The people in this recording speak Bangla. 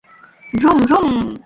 Vroom, vroom!